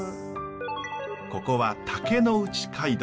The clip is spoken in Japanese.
ここは竹内街道。